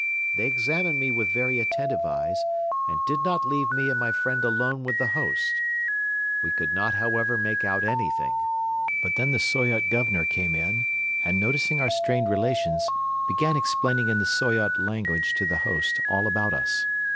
They examined me with very attentive eyes and did not leave me and my friend alone with the host. We could not, however, make out anything. But then the Soyot Governor came in and, noticing our strained relations, began explaining in the Soyot language to the host all about us.